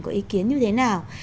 có ý kiến như thế nào